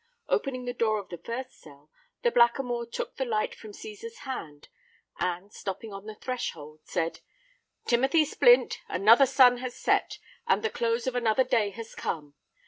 Opening the door of the first cell, the Blackamoor took the light from Cæsar's hand, and stopping on the threshold, said, "Timothy Splint, another sun has set, and the close of another day has come.